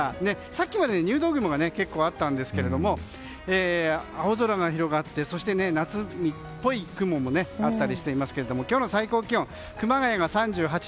さっきまで入道雲が結構あったんですけど青空が広がって、夏っぽい雲もあったりしますけども今日の最高気温熊谷が３８．４度。